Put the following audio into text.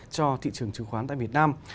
cho thị trường trường khoán tại việt nam